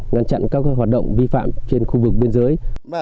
ngăn chặn các hoạt động vi phạm trên khu vực biên giới